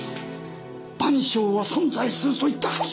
『晩鐘』は存在すると言ったはずだ！